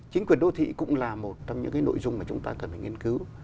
chính quyền đô thị cũng là một trong những nội dung mà chúng ta cần phải nghiên cứu